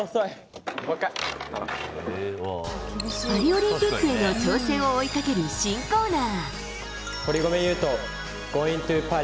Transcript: パリオリンピックへの挑戦を追いかける新コーナー。